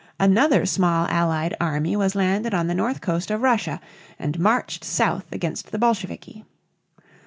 Another small Allied army was landed on the north coast of Russia and marched south against the Bolsheviki.